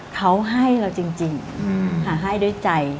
เขาให้เราจริงค่ะให้ด้วยใจ